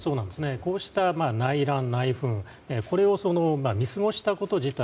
こうした内乱、内紛これを見過ごしたこと自体